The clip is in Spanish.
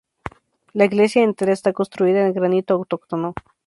La iglesia entera está construida en granito autóctono.